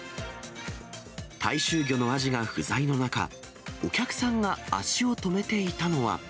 大衆魚のアジが不在の中、お客さんが足を止めていたのは。